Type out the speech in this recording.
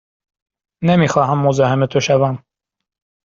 نمی خواهم مزاحم تو شوم.